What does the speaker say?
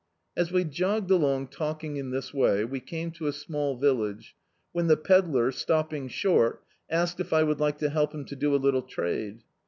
As we jogged along talking in this way, we came to a small village, when the pedlar, stopping short, asked if I would like to help him to do a littie trade.